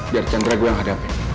biar chandra gue yang hadapin